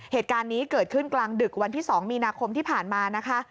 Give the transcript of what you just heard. เหตุการณ์นี้เกิดขึ้นกลางดึกวันที่๒มีนาคมที่ผ่านมานะคะ